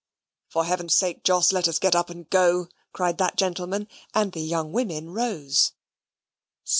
"For Heaven's sake, Jos, let us get up and go," cried that gentleman, and the young women rose.